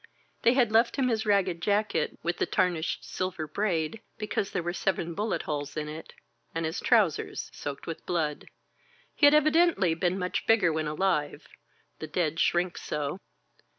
They had left him his ragged jacket with the tarnished silver braid, be cause there were seven bullet holes in it; and his trou sers, soaked with blood. He had evidently been much bigger when alive — ^the dead shrink so.